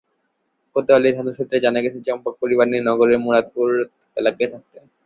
কোতোয়ালি থানা সূত্রে জানা গেছে, চম্পক পরিবার নিয়ে নগরের মুরাদপুর এলাকায় থাকতেন।